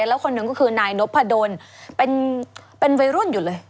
แล้วคนหนึ่งก็คือนายนพดลเป็นวัยรุ่นอยู่เลย